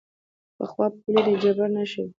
پخوا پولې د جبر نښه وې.